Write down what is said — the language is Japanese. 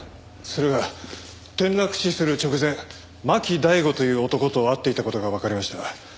それが転落死する直前巻大吾という男と会っていた事がわかりました。